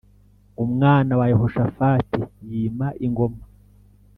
umwana wa Yehoshafati yima ingoma